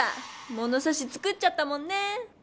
ものさし作っちゃったもんね！